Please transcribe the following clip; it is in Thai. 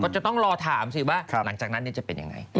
จะต้องรอถามสิว่าหลังจากนั้นจะเป็นยังไง